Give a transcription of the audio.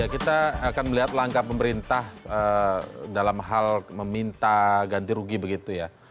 kita akan melihat langkah pemerintah dalam hal meminta ganti rugi begitu ya